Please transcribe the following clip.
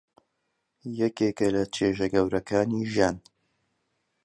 یەکێکە لە چێژە گەورەکانی ژیان.